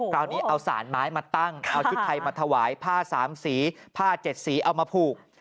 คราวนี้เอาสารไม้มาตั้งเอาชุดไทยมาถวายผ้า๓สีผ้า๗สีเอามาผูก